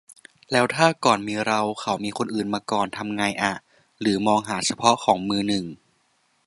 แล้วถ้าก่อนมีเรา เขามีคนอื่นมาก่อนทำไงอะ หรือมองหาเฉพาะของมือหนึ่ง